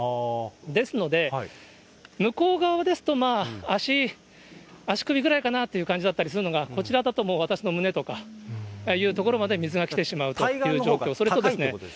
ですので、向こう側ですと、足首ぐらいかなという感じだったりするのが、こちらだと、もう私の胸とかいう所まで水が来てしまうという状況。